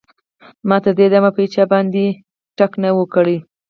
ما تر دې دمه په هېچا باندې ډز نه و کړی